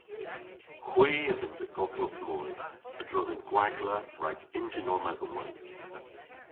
Hwi a vynnsa godhvos moy a-dro dhe'n gwagla rag ynjynor medhelweyth.